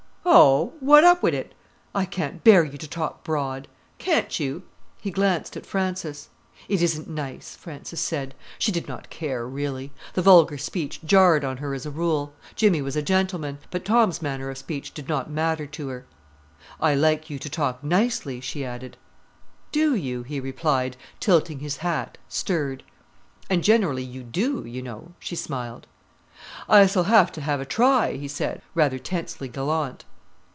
"Oh, what's up wi' it?" "I can't bear you to talk broad." "Can't you?" He glanced at Frances. "It isn't nice," Frances said. She did not care, really. The vulgar speech jarred on her as a rule; Jimmy was a gentleman. But Tom's manner of speech did not matter to her. "I like you to talk nicely," she added. "Do you," he replied, tilting his hat, stirred. "And generally you do, you know," she smiled. "I s'll have to have a try," he said, rather tensely gallant.